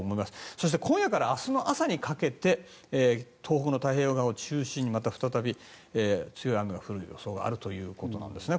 そして、今夜から明日の朝にかけて東北の太平洋側を中心にまた再び強い雨が降る予想があるということなんですね。